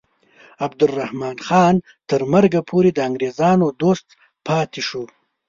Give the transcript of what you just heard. عبدالرحمن خان تر مرګه پورې د انګریزانو دوست پاتې شو.